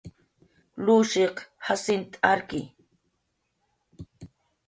Lushiq Jacint arki